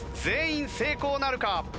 全員成功なるか？